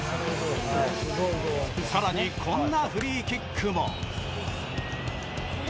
更にこんなフリーキックも。